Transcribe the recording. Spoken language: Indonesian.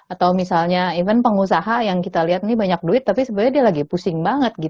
atau misalnya even pengusaha yang kita lihat ini banyak duit tapi sebenarnya dia lagi pusing banget